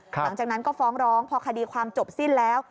หลังจากนั้นก็ฟ้องร้องพอคดีความจบสิ้นแล้ว